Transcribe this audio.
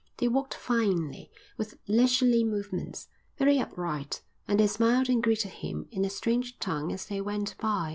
They walked finely, with leisurely movements, very upright; and they smiled and greeted him in a strange tongue as they went by.